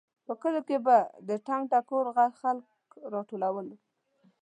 په کلیو کې به د ټنګ ټکور غږ خلک راټولول.